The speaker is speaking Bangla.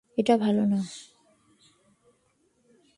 এটা ভালো না।